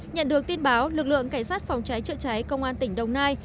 nhận được tin báo lực lượng cảnh sát phòng cháy chữa cháy công an tỉnh đồng nai